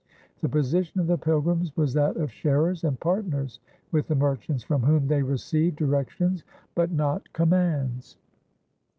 The position of the Pilgrims was that of sharers and partners with the merchants, from whom they received directions but not commands.